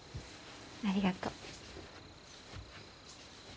ありがとう。